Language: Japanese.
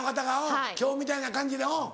今日みたいな感じでうん。